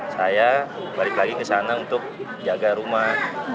saya balik lagi ke sana untuk jaga rumah